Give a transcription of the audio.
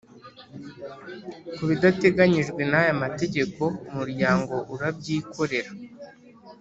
Ku bidateganyijwe n aya mategeko Umuryango urabyikorera